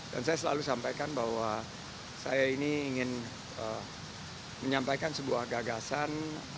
dan saya selalu sampaikan bahwa saya ini ingin menyampaikan sebuah gagasan